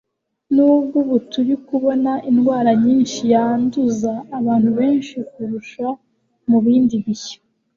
Nubwo ubu turi kubona indwara nyinshi yanduza abantu benshi kurusha mu bindi bihe